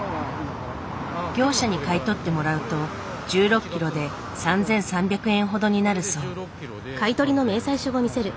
業者に買い取ってもらうと１６ｋｇで３，３００円ほどになるそう。